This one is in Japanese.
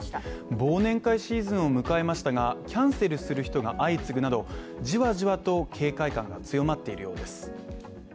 忘年会シーズンを迎えましたが、キャンセルする人が相次ぐなど、じわじわと警戒感が強まっているようです